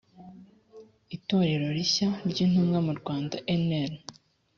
itorero rishya ry intumwa mu rwanda enar